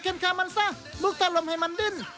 เค็มขาวมันซะมุกตาลมให้มันดิ้น